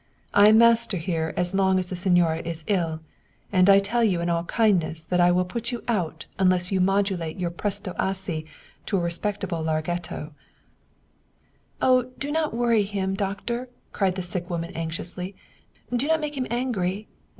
I am master here as long as the signora is ill, and I tell you in all kindness that I will put you out unless you modulate your presto assai to a respectable larghetto" " Oh, do not worry him, doctor," cried the sick woman anxiously. " Do not make him angry.